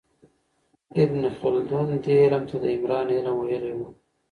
ابن خلدون دې علم ته د عمران علم ویلی و.